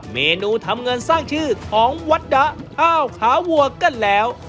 เมนูทำเงินสร้างชื่อของวัดดะข้าวขาวัวกันแล้ว